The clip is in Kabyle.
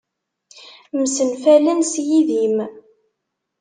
Msenfalen s yidim.